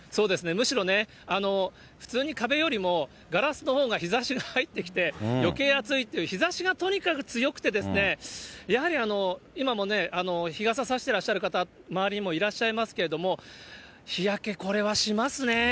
むしろね、普通に壁よりもガラスのほうが日ざしが入ってきて、よけい暑いという、日ざしがとにかく強くてですね、やはり今もね、日傘差してらっしゃる方、周りにもいらっしゃいますけども、日焼け、これはしますね。